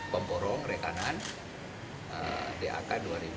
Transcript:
pemporong rekanan di ak dua ribu sebelas